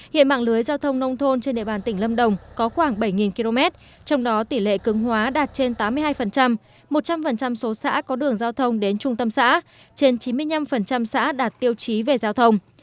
hiện mạng lưới giao thông nông thôn trên địa bàn tỉnh lâm đồng có khoảng bảy km trong đó tỷ lệ cứng hóa đạt trên tám mươi hai một trăm linh số xã có đường giao thông đến trung tâm xã trên chín mươi năm xã đạt tiêu chí về giao thông